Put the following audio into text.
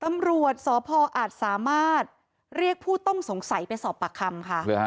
ตำรวจสพอาจสามารถเรียกผู้ต้องสงสัยไปสอบปากคำค่ะ